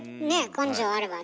根性あればねえ？